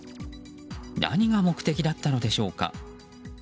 何が目的だったのでしょうか？